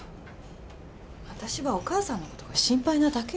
私はお母さんの事が心配なだけよ。